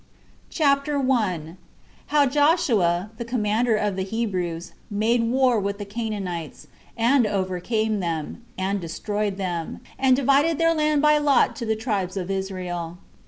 CHAPTER 1. How Joshua, The Commander Of The Hebrews, Made War With The Canaanites, And Overcame Them, And Destroyed Them, And Divided Their Land By Lot To The Tribes Of Israel.